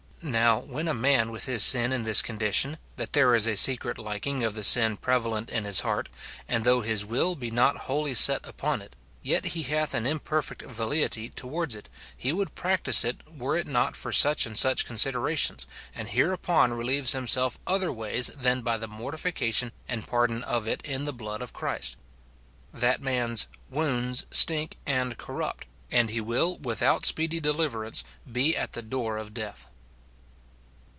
Now, when a man with his sin is in this condition, that there is a secret liking of the sin prevalent in his heart, and though his will be not wholly set upon it, yet he hath an imperfect velleityf towards it, he would practise it were it not for such and such con siderations, and hereupon relieves himself other ways than by the mortification and pardon of it in the blood of Christ; that man's "wounds stink and are corrupt," and he will, without speedy deliverance, be at the door of death.